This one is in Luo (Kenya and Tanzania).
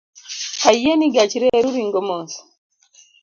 Ayie ni gach reru ringo mos